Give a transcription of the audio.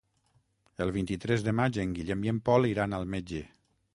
El vint-i-tres de maig en Guillem i en Pol iran al metge.